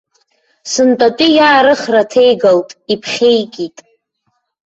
Сынтәатәи иаарыхра ҭеигалт, иԥхьеикит.